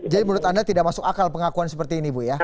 jadi menurut anda tidak masuk akal pengakuan seperti ini bu ya